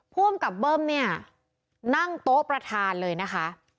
ภูมิกับเบิ้มเนี่ยนั่งโต๊ะประธานเลยนะคะ